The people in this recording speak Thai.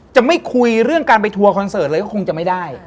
จะไม่คุยเรื่องการไปทัวร์คอนเสิร์ตเลยก็คงจะไม่ได้